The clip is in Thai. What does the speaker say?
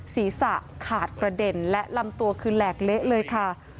ศีรษะขาดกระเด็นและลำตัวคือแหลกเละเลยค่ะ